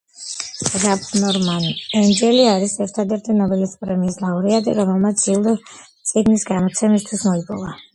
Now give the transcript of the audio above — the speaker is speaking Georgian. რალფ ნორმან ენჯელი არის ერთადერთი ნობელის პრემიის ლაურეატი, რომელმაც ჯილდო წიგნის გამოცემისთვის მოიპოვა.